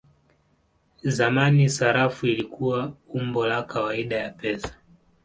Zamani sarafu ilikuwa umbo la kawaida ya pesa.